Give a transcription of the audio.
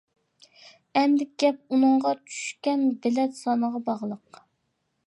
ئەمدى گەپ ئۇنىڭغا چۈشكەن بىلەت سانىغا باغلىق.